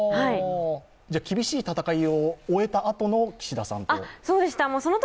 厳しい戦いを終えたあとの岸田さんと。